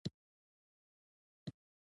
بامیان د افغانستان په هره برخه کې موندل کېږي.